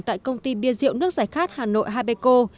tại công ty bia rượu nước giải khát hà nội hapeco